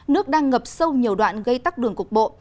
nước đang ngập sâu nhiều đoạn gây tắc đường cục bộ